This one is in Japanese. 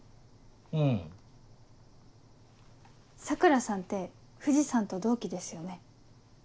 桜さんって藤さんと同期ですよね。